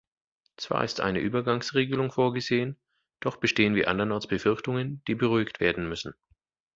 Zwar ist eine Übergangsregelung vorgesehen, doch bestehen wie andernorts Befürchtungen, die beruhigt werden müssen.